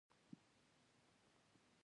د اختلاف او دوست تمیز یې له منځه وړی.